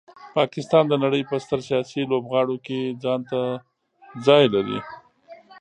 پاکستان د نړۍ په ستر سیاسي لوبغاړو کې ځانته ځای لري.